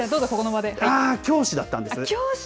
教師だったんです。